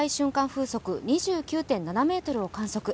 風速２９．７メートルを観測。